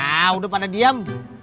ah udah pada diem